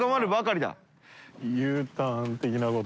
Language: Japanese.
Ｕターン的なこと？